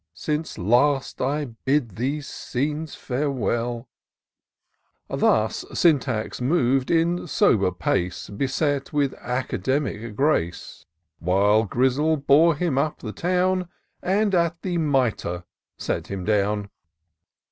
Since last I bade these scenes farewell." Thus Syntax mov'd in sober pace. Beset with academic grace ; While Grizzle bore him up the town, And at the Mitre set him down.